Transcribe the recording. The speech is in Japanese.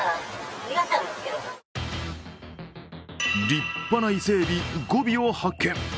立派な伊勢えび５尾を発見。